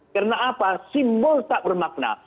karena apa simbol tak bermakna